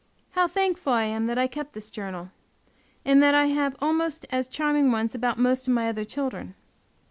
How thankful I am that I kept this journal, and that I have almost as charming ones about most of my other children!